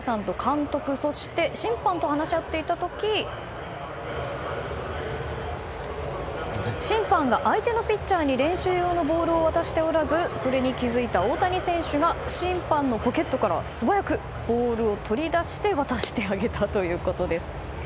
ピッチクロックの違反をとられた１回終了後通訳の水原さんと監督、審判と話し合っていた時審判が相手のピッチャーに練習用のボールを渡しておらずそれに気づいた大谷選手が審判のポケットから素早くボールを取り出して渡してあげたんです。